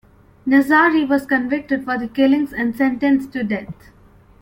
Nazari was convicted for the killings and sentenced to death.